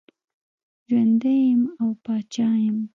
ژوندی یم او پاچا یم.